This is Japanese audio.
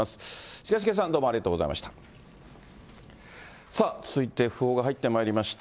近重さん、どうもありがとうございました。